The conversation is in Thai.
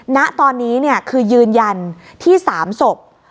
ณตอนนี้คือยืนยันที่๓ศพ